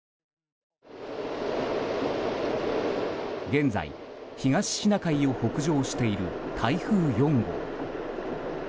現在、東シナ海を北上している台風４号。